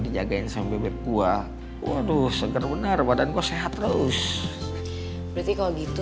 dijagain sempit gua waduh seger benar badan gue sehat terus berarti kalau gitu